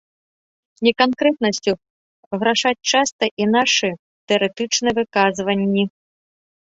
Неканкрэтнасцю грашаць часта і нашы тэарэтычныя выказванні.